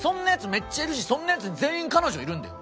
めっちゃいるしそんなヤツ全員彼女いるんだよ。